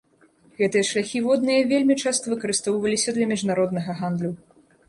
Гэтыя шляхі водныя вельмі часта выкарыстоўваліся для міжнароднага гандлю.